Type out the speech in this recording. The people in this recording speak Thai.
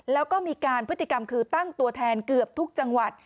แล้วก็มีการพฤติกรรมคือตั้งตัวแทนเกือบทุกจังหวัด